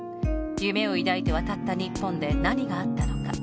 夢を抱いて渡った日本で何があったのか。